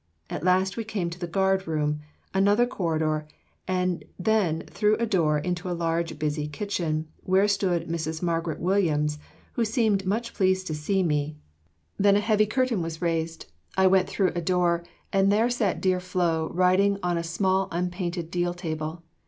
At last we came to the guard room, another corridor, then through a door into a large busy kitchen, where stood Mrs. Margaret Williams, who seemed much pleased to see me: then a heavy curtain was raised; I went through a door, and there sat dear Flo writing on a small unpainted deal table.